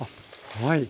はい。